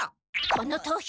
この投票